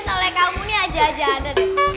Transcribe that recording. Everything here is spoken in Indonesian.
soleh kamu nih aja aja ada deh